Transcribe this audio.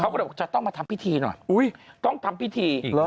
ก็เลยบอกจะต้องมาทำพิธีหน่อยต้องทำพิธี